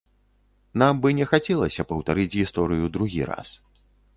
Нам бы не хацелася паўтарыць гісторыю другі раз.